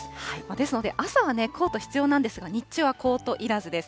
ですので朝はコート必要なんですが、日中はコートいらずです。